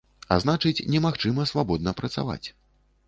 А значыць, немагчыма свабодна працаваць.